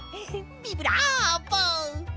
ビブラーボ！